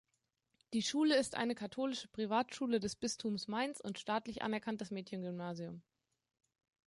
Die Schule ist eine Katholische Privatschule des Bistums Mainz und staatlich anerkanntes Mädchengymnasium.